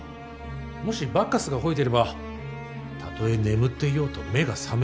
もしバッカスが吠えてればたとえ眠っていようと目が覚める。